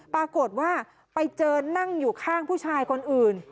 ปรากฏว่าไปเจอนั่งอยู่ข้างผู้ชายคนอื่น